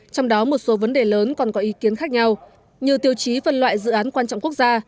trong đó một số vấn đề lớn còn có ý kiến khác nhau như tiêu chí phân loại dự án quan trọng quốc gia